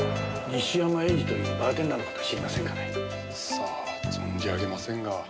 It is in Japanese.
さあ存じ上げませんが。